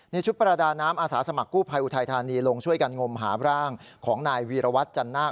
ชุดประดาน้ำอาสาสมัครกู้ภัยอุทัยธานีลงช่วยกันงมหาร่างของนายวีรวัตรจันนาค